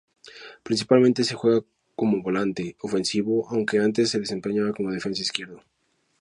Principalmente juega como volante ofensivo aunque antes se desempeñaba como defensa izquierdo.